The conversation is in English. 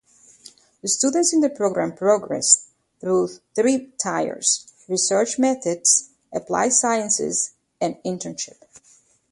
Students in the program progress through three tiers: Research Methods, Applied Sciences, and Internship.